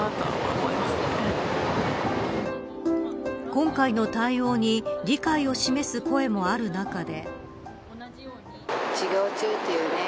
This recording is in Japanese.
今回の対応に理解を示す声もある中で。